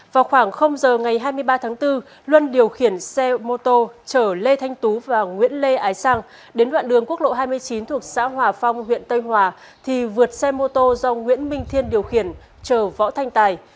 vào khoảng giờ ngày hai mươi ba tháng bốn luân điều khiển xe mô tô chở lê thanh tú và nguyễn lê ái sang đến đoạn đường quốc lộ hai mươi chín thuộc xã hòa phong huyện tây hòa thì vượt xe mô tô do nguyễn minh thiên điều khiển chở võ thanh tài